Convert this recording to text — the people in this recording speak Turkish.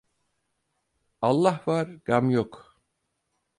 Allah var. Gam yok.